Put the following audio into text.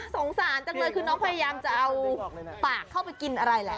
สงสารจังเลยคือน้องพยายามจะเอาปากเข้าไปกินอะไรแหละ